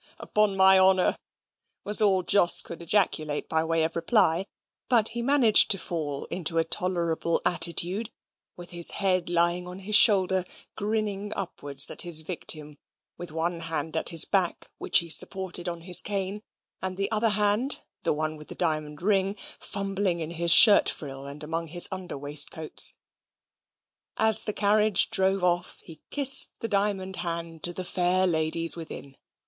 upon my honour!" was all Jos could ejaculate by way of reply; but he managed to fall into a tolerable attitude, with his head lying on his shoulder, grinning upwards at his victim, with one hand at his back, which he supported on his cane, and the other hand (the one with the diamond ring) fumbling in his shirt frill and among his under waistcoats. As the carriage drove off he kissed the diamond hand to the fair ladies within.